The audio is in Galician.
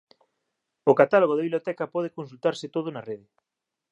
O catálogo da biblioteca pode consultarse todo na rede